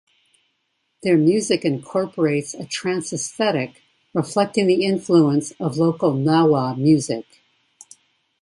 Their music incorporates a trance aesthetic, reflecting the influence of local Gnawa music.